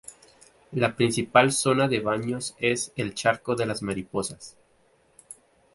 La principal zona de baños es el "Charco de las Mariposas".